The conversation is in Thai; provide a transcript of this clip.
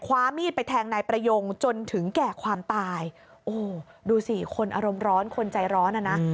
คว้ามีดไปแทงนายประยงจนถึงแก่ความตายโอ้โหดูสิคนอารมณ์ร้อนคนใจร้อนอ่ะนะ